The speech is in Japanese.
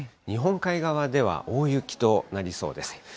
日本海側では大雪となりそうです。